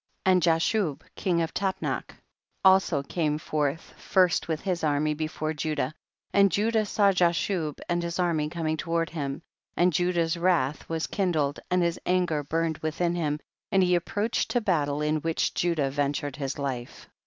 27. And Jashub, king of Tapnach, also came forth first with his army before Judah, and Judah saw Jashub and his army coming toward him, and Judah's wrath was kindled, and THE BOOK OF JASHER. Ill his anger burned within him, and he approached to battle in which Judah ventured his hfc.